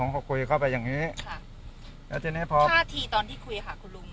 เขาคุยเข้าไปอย่างนี้ค่ะแล้วทีนี้พอท่าทีตอนที่คุยค่ะคุณลุง